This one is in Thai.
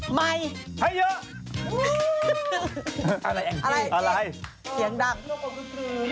ใหม่